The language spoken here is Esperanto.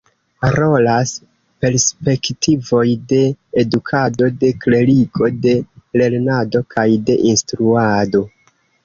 Rolas perspektivoj de edukado, de klerigo, de lernado kaj de instruado.